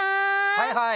はいはい。